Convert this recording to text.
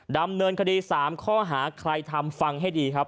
ดำเนินคดี๓ข้อหาใครทำฟังให้ดีครับ